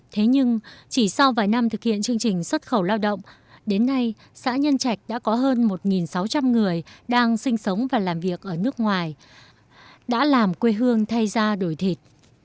thế nhưng chỉ sau vài năm thực hiện chương trình xuất khẩu lao động đến nay xã nhân trạch đã có hơn một sáu trăm linh người đang sinh sống và làm việc ở nước ngoài đã làm quê hương thay ra đổi thịt